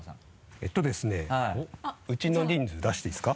えっとですねウチの人数出していいですか？